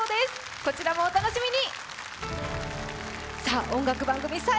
こちらもお楽しみに。